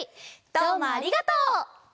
どうもありがとう！